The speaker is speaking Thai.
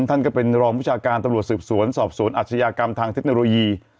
ท่านก็เป็นรองวิชาการตำรวจสืบสวนสอบสวนอาชญากรรมทางเทคโนโลยี